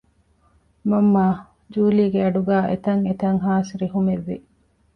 މަންމާ ޖޫލީގެ އަޑުގައި އެތަށްއެތަށް ހާސް ރިހުމެއްވި